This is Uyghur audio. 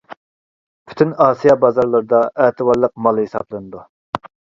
پۈتۈن ئاسىيا بازارلىرىدا ئەتىۋارلىق مال ھېسابلىنىدۇ.